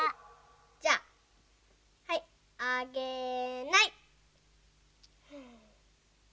じゃあはいあげない！